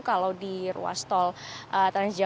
kalau di ruas tol transjakarta